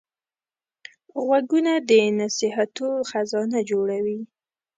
غوږونه د نصیحتو خزانه جوړوي